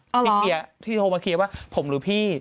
พี่เคลียร์ที่โทรมาเคลียร์ว่าผมหรือพี่